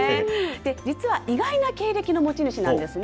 実は意外な経歴の持ち主なんですね。